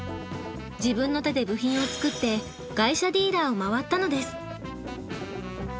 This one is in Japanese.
自分の手で部品を作って外車ディーラーを回ったのです。